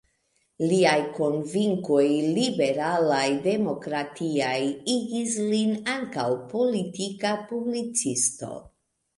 Liaj konvinkoj liberalaj-demokratiaj igis lin ankaŭ politika publicisto.